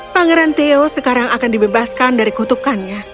pangeran theo sekarang akan dibebaskan dari kutukannya